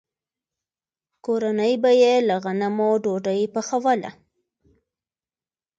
کورنۍ به یې له غنمو ډوډۍ پخوله.